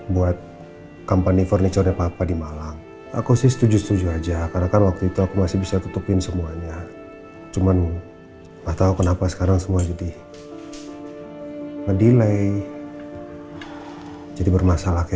buat company furniturenya papa di malang aku sih setuju setuju aja karena kan waktu itu aku masih bisa tutupin semuanya cuman gak tau kenapa sekarang semua jadi ngedelay jadi bermasalah kayak begini